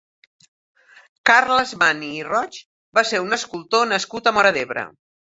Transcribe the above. Carles Mani i Roig va ser un escultor nascut a Móra d'Ebre.